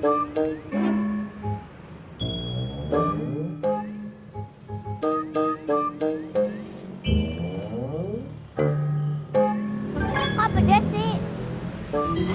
kok pedas sih